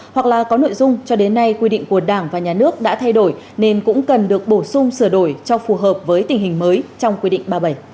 hoặc là có nội dung cho đến nay quy định của đảng và nhà nước đã thay đổi nên cũng cần được bổ sung sửa đổi cho phù hợp với tình hình mới trong quy định ba mươi bảy